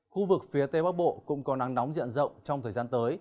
khu vực phía tây bắc bộ cũng có nắng nóng diện rộng trong thời gian tới